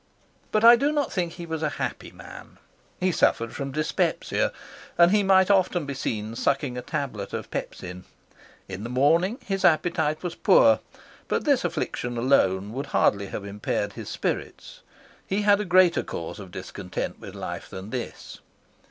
But I do not think he was a happy man. He suffered from dyspepsia, and he might often be seen sucking a tablet of pepsin; in the morning his appetite was poor; but this affliction alone would hardly have impaired his spirits. He had a greater cause of discontent with life than this.